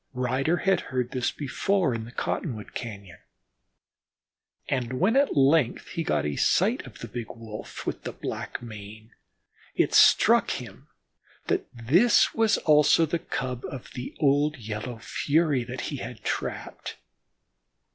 Ryder had heard this before, in the Cottonwood Cañon, and when at length he got a sight of the big Wolf with the black mane, it struck him that this was also the Cub of the old Yellow fury that he had trapped.